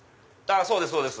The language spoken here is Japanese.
そうですそうです。